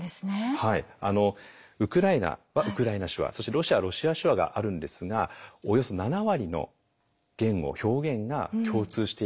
ウクライナはウクライナ手話そしてロシアはロシア手話があるんですがおよそ７割の言語表現が共通しているそうなんです。